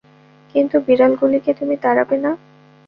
কিন্তু বিড়ালগুলিকে তুমি তাড়াবে না।